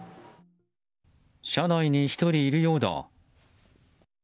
車内に１人いるようだ。